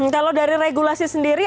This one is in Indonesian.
kalau dari regulasi sendiri